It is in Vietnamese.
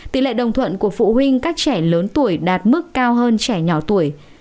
tỷ lệ đồng thuận của phụ huynh các trẻ lớn tuổi đạt mức cao hơn trẻ nhỏ tuổi